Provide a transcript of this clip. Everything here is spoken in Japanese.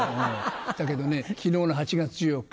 だけどね昨日の８月１４日。